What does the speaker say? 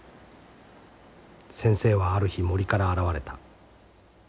先生はある日森から現れた。